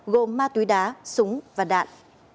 gồm ma túy đá súng và đạn